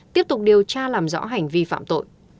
tiếp tục điều tra làm rõ hành vi phạm tội